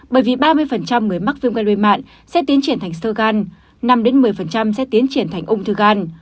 bởi vì ba mươi người mắc viêm gan luyện mạng sẽ tiến triển thành sơ gan năm một mươi sẽ tiến triển thành ung thư gan